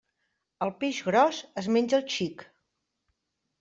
El peix gros es menja el xic.